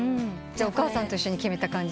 お母さんと一緒に決めた感じ？